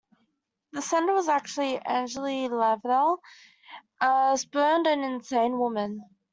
The sender was actually Angele Laval, a spurned and insane woman.